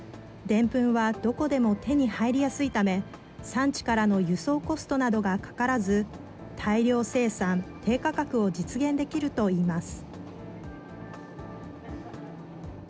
デンプンはどこでも手に入りやすいため、産地からの輸送コストなどがかからず、大量生産・低価格を実現できるといいます。